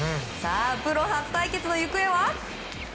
プロ初対決の行方は。